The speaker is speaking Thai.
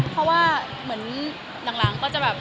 เพราะว่าเหมือนหลังก็จะแบบ